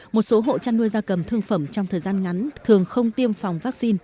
một số hộ chăn nuôi gia cầm thương phẩm trong thời gian ngắn thường không tiêm phòng vaccine